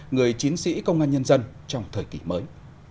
người chiến sĩ công an nhân dân trong thời kỳ mới